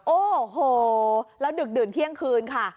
โอ้โหแล้วดึกดื่นเที่ยงคืนค่ะ